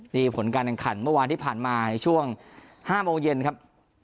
นี่ผลการแข่งขันเมื่อวานที่ผ่านมาช่วง๕โมงเย็นครับ